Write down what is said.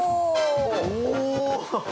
おお！